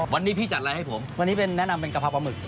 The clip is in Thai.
วันนี้พี่จัดอะไรให้ผมวันนี้เป็นแนะนำเป็นกะเพราปลาหมึก